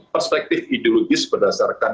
perspektif ideologis berdasarkan